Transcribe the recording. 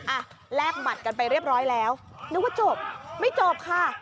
แลกหมัดกันไปเรียบร้อยแล้วนึกว่าจบไม่จบค่ะ